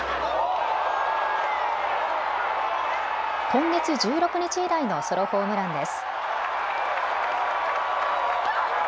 今月１６日以来のソロホームランです。